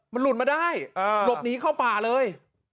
มันหลุดมาได้หลบหนีเข้าป่าเลย